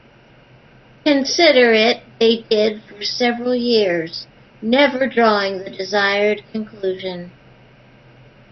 Consider it they did for several years, never drawing the desired conclusion.